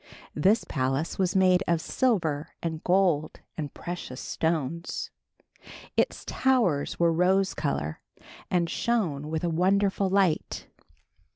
This palace was made of silver and gold and precious stones. Its towers were rose color and shone with a wonderful light.